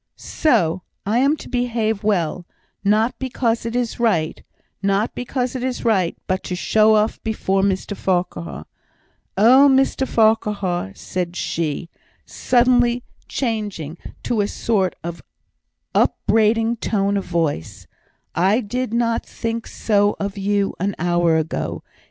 "So! I am to behave well, not because it is right not because it is right but to show off before Mr Farquhar. Oh, Mr Farquhar!" said she, suddenly changing to a sort of upbraiding tone of voice, "I did not think so of you an hour ago.